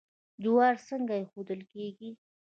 جوار څنګه ایښودل کیږي؟